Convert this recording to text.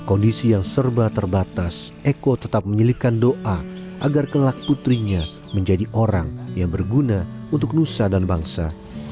kondisi yang serba terbatas eko tetap menyelipkan doa agar kelak putrinya menjadi orang yang berguna untuk nusa dan bangsa